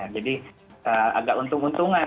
jadi agak untung untungan